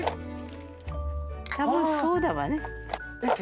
多分そうだわねえっ